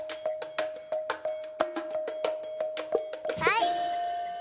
はい！